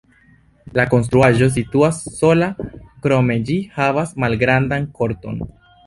La konstruaĵo situas sola, krome ĝi havas malgrandan korton.